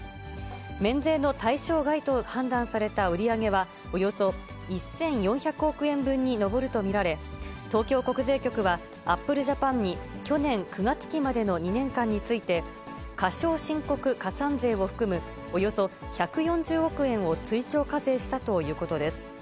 免税の対象外と判断された売り上げは、およそ１４００億円分に上ると見られ、東京国税局はアップルジャパンに、去年９月期までの２年間について、過少申告加算税を含むおよそ１４０億円を追徴課税したということです。